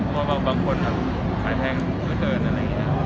เพราะบางคนให้แทนแทน